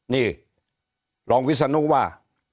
นี่รองวิศนุว่า